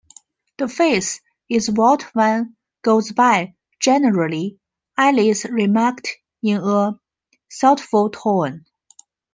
"The face is what one goes by, generally," Alice remarked in a thoughtful tone.